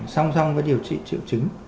song song với điều trị triệu chứng